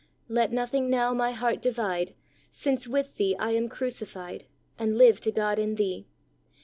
"Let nothing now my heart divide, Since with Thee I am crucified, And lire to God in Thee.